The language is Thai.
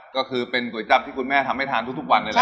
ก็คือเป็นก๋วยจับที่คุณแม่ทำให้ทานทุกวันเลยล่ะ